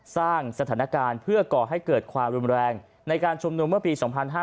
สร้างสถานการณ์เพื่อก่อให้เกิดความรุนแรงในการชุมนุมเมื่อปี๒๕๕๙